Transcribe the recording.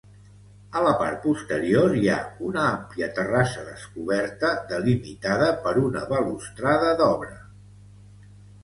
A la part posterior hi ha una àmplia terrassa descoberta delimitada per una balustrada d'obra.